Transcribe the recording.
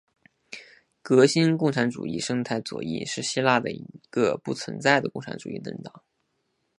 革新共产主义生态左翼是希腊的一个已不存在的共产主义政党。